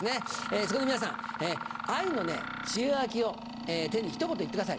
そこで皆さん鮎の塩焼きを手にひと言言ってください。